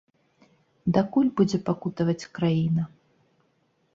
Дакуль будзе пакутаваць краіна?